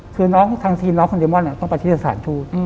คือน้องทางทีมน้องคนเดมอนต้องไปที่สถานทูต